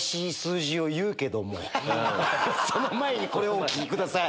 その前にこれをお聞きください。